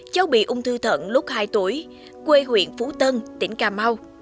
cháu bị ung thư thận lúc hai tuổi quê huyện phú tân tỉnh cà mau